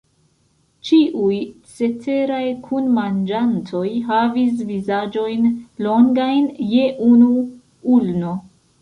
Ĉiuj ceteraj kunmanĝantoj havis vizaĝojn longajn je unu ulno.